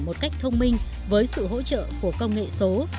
một cách thông minh với sự hỗ trợ của công nghệ số